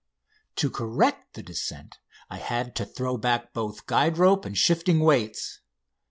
To correct the descent I had to throw back both guide rope and shifting weights.